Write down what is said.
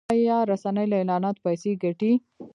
آیا رسنۍ له اعلاناتو پیسې ګټي؟